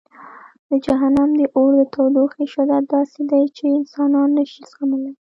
د جهنم د اور د تودوخې شدت داسې دی چې انسانان نه شي زغملی.